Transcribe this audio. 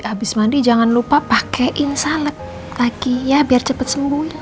habis mandi jangan lupa pakein salep lagi ya biar cepat sembuhin